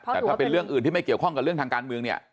แต่ถ้าเป็นเรื่องอื่นที่ไม่เกี่ยวข้องกับเรื่องทางการเมืองเนี่ย